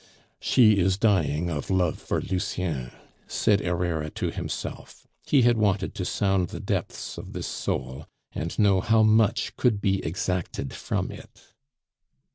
"She is dying of love for Lucien," said Herrera to himself; he had wanted to sound the depths of this soul, and know how much could be exacted from it.